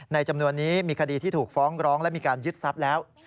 จำนวนนี้มีคดีที่ถูกฟ้องร้องและมีการยึดทรัพย์แล้ว